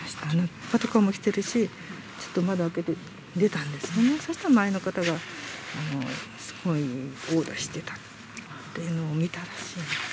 パトカーも来てるし、ちょっと窓開けて、出たんですね、そしたら前の方が、すごい殴打してたっていうのを見たって。